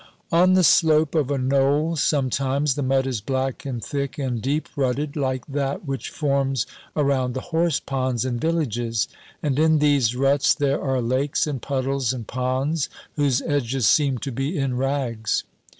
On the slope of a knoll sometimes, the mud is black and thick and deep rutted, like that which forms around the horse ponds in villages, and in these ruts there are lakes and puddles and ponds, whose edges seem to be in rags.